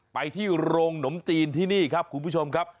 ไปที่โรงหนมจีนที่นี่ครับคุณผู้ชมครับ